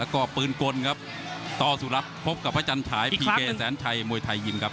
แล้วก็ปืนกลครับต่อสุรัตน์พบกับพระจันฉายพีเกแสนชัยมวยไทยยิมครับ